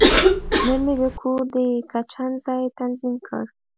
نن مې د کور د کچن ځای تنظیم کړ.